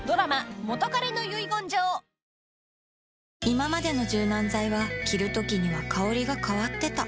いままでの柔軟剤は着るときには香りが変わってた